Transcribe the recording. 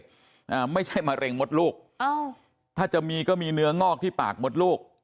อ่าไม่ใช่มะเร็งมดลูกอ้าวถ้าจะมีก็มีเนื้องอกที่ปากมดลูก